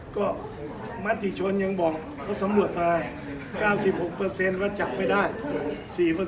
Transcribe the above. ก็มติชนยังบอกเขาสำรวจมา๙๖ว่าจับไม่ได้